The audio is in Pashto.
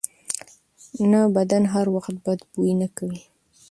نه، بدن هر وخت بد بوی نه کوي.